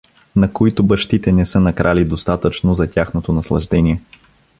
На които бащите не са накрали достатъчно за тяхното наслаждение.